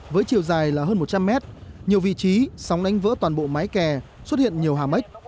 với chiều dài là hơn một trăm linh mét nhiều vị trí sóng đánh vỡ toàn bộ mái kè xuất hiện nhiều hà mách